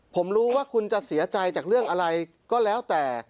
ผมรู้ว่าคุณจะเสียใจจากเรื่องอะไรก็แล้วแต่